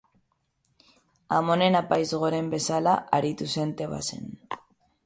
Amonen Apaiz Goren bezala aritu zen Tebasen.